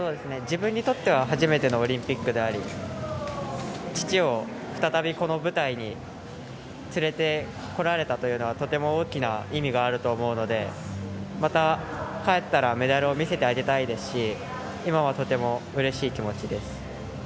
自分にとっては初めてのオリンピックであり父を再びこの舞台に連れてこられたというのはとても大きな意味があると思うので、また帰ったらメダルを見せてあげたいですし今はとてもうれしい気持ちです。